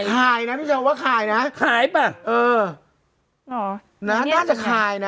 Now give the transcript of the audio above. คายนะพี่เจ้าบอกว่าคายนะคายป่ะเอออ๋อน่าจะคายนะ